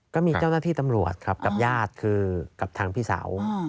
ก็มีเจ้าหน้าที่ตำรวจครับกับญาติคือกับทางพี่สาว